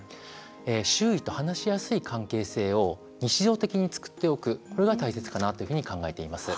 周囲と話しやすい関係性を日常的に作っておくこれが大切かなというふうに考えています。